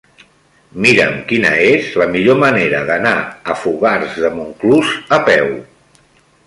Mira'm quina és la millor manera d'anar a Fogars de Montclús a peu.